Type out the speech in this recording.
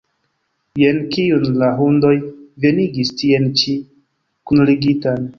Jen kiun la hundoj venigis tien ĉi kunligitan!